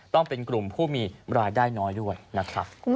ต้องเป็นกลุ่มผู้มีรายได้น้อยด้วยนะครับ